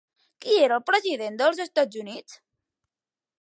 Qui era el president dels Estats Units?